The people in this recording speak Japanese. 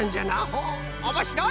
ほうおもしろい。